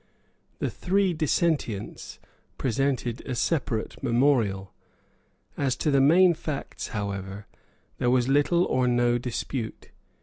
The three dissentients presented a separate memorial. As to the main facts, however, there was little or no dispute.